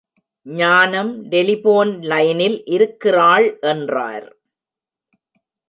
ஞானம் டெலிபோன் லைனில் இருக்கிறாள். என்றார்.